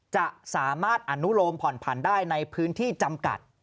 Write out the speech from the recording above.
จะสามารถอนุโลมผ่อนผันได้ในพื้นที่จำกัด